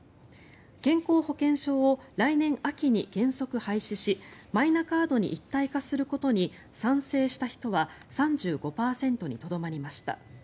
健康保険証を来年秋に原則廃止しマイナカードに一体化することに賛成した人は３５％にとどまりました。